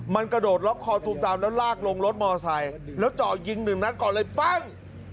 มันกระโดดล็อกคอตูมตามแล้วลากลงรถมอไซค์แล้วเจาะยิงหนึ่งนัดก่อนเลยปั้ง